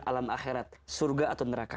alam akhirat surga atau neraka